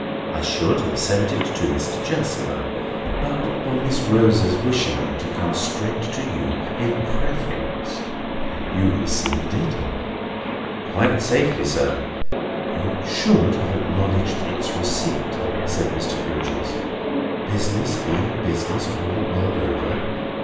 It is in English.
I should have sent it to Mr. Jasper, but for Miss Rosa's wishing it to come straight to you, in preference. You received it?" "Quite safely, sir." "You should have acknowledged its receipt," said Mr. Grewgious; "business being business all the world over.